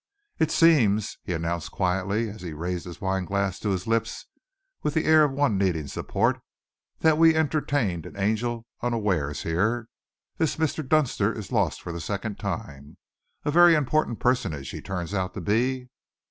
"It seems," he announced quietly, as he raised his wine glass to his lips with the air of one needing support, "that we entertained an angel unawares here. This Mr. Dunster is lost for the second time. A very important personage he turns out to be."